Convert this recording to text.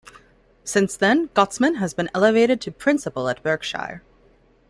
Since then, Gottesman has been elevated to Principal at Berkshire.